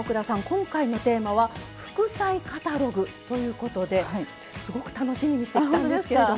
今回のテーマは副菜カタログということですごく楽しみにしてきたんですけれども。